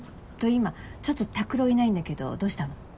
今ちょっと拓郎いないんだけどどうしたの？